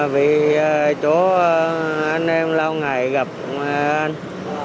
vì chỗ anh em lâu ngày gặp anh